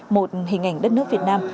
một hình ảnh đất nước việt nam